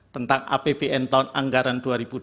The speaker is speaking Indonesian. tentang apbn tahun anggaran dua ribu dua puluh